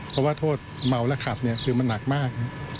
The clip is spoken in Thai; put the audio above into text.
เพราะว่าโทษเมาและขับเนี่ยคือมันหนักมาก